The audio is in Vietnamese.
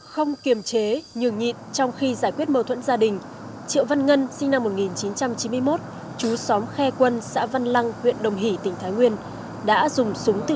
không kiềm chế nhường nhịn trong khi giải quyết mâu thuẫn gia đình triệu văn ngân sinh năm một nghìn chín trăm chín mươi một chú xóm khe quân xã văn lăng huyện đồng hỷ tỉnh thái nguyên